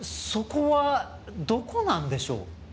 そこはどこなんでしょう？